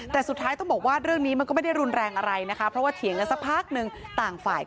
แต่สุดท้ายต้องบอกว่าเรื่องนี้มันก็ไม่ได้รุนแรงอะไรนะคะ